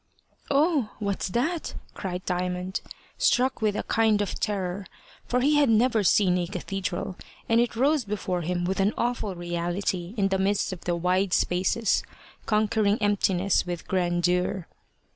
"Oh! what's that?" cried Diamond, struck with a kind of terror, for he had never seen a cathedral, and it rose before him with an awful reality in the midst of the wide spaces, conquering emptiness with grandeur.